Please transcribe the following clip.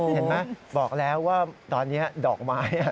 เห็นไหมบอกแล้วว่าตอนนี้ดอกไม้